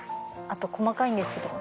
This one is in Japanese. あと細かいんですけど。